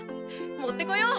持ってこよう。